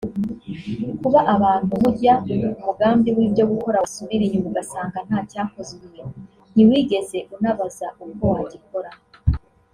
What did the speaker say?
Kuba abantu mujya umugambi w’ibyo gukora wasubira inyuma ugasanga ntacyakozwe ntiwigeze unabaza uko wagikora